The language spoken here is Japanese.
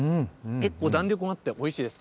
結構弾力もあっておいしいです。